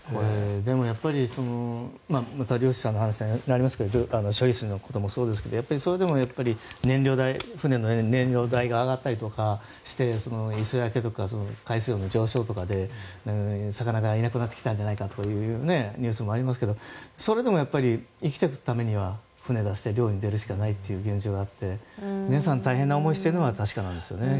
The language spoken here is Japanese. また漁師さんの話になりますが処理水のこともそうですけどそれでもやっぱり船の燃料代が上がったりとかしている磯焼けとか海水温の上昇とかで魚がいなくなってきたんじゃないかというニュースもありますけどそれでも生きていくためには船を出して漁に行くしかないという現状があって皆さん、大変な思いをしているのは確かですよね。